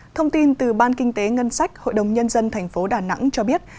thông tin từ ban kinh tế ngân sách hội đồng nhân dân tp đà nẵng cho biết